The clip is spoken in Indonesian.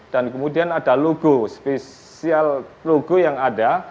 dan kemudian ada logo spesial logo yang ada